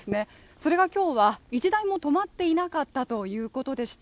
それが今日は１台も止まっていなかったということでした。